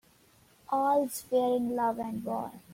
All's fair in love and war.